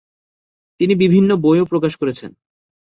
তিনি বিভিন্ন বইও প্রকাশ করেছেন।